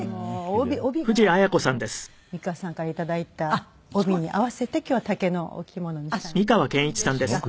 帯が美川さんから頂いた帯に合わせて今日は竹のお着物にしたんですけど。